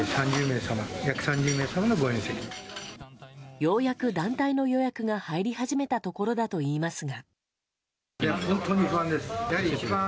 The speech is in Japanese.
ようやく団体の予約が入り始めたところだといいますが。